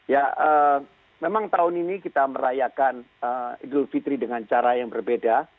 ya memang tahun ini kita merayakan idul fitri dengan cara yang berbeda